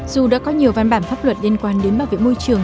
dù đã có nhiều văn bản pháp luật liên quan đến bảo vệ môi trường